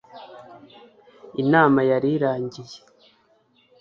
Inama yari irangiye